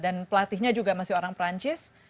dan pelatihnya juga masih orang prancis